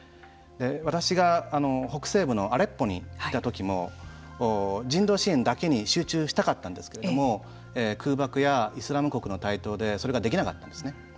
私が北西部のアレッポに行たときも人道支援だけに集中したかったんですけれども空爆やイスラム国の台頭でそれができなかったんですね。